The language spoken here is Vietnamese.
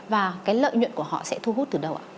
và cái lợi nhuận của họ sẽ thu hút từ đâu ạ